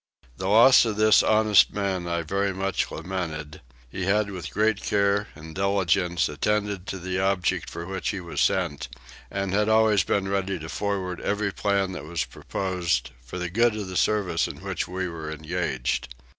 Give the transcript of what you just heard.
The loss of this honest man I very much lamented: he had with great care and diligence attended to the object for which he was sent, and had always been ready to forward every plan that was proposed, for the good of the service in which we were engaged.